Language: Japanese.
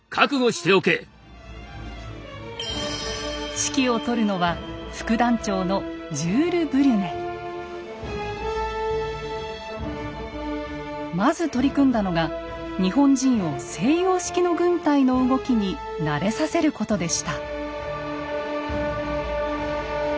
指揮を執るのはまず取り組んだのが日本人を西洋式の軍隊の動きに慣れさせることでした。